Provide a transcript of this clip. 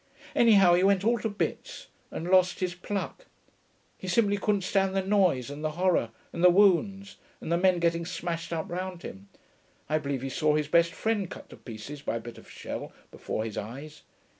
Anyhow he went all to bits and lost his pluck; he simply couldn't stand the noise and the horror and the wounds and the men getting smashed up round him: I believe he saw his best friend cut to pieces by a bit of shell before his eyes.